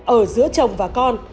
ở giữa chồng và con